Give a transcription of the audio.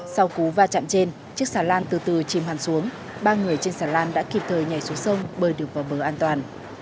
sau cú va chạm trên chiếc xà lan từ từ chìm hẳn xuống ba người trên xà lan đã kịp thời nhảy xuống sông bơi được vào bờ an toàn